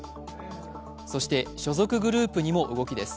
そして、所属グループにも動きです。